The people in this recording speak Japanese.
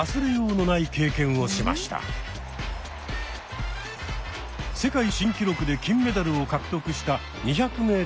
世界新記録で金メダルを獲得した２００ｍのレース。